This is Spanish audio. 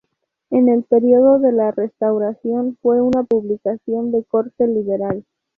En el periodo de la Restauración fue una publicación de corte liberal.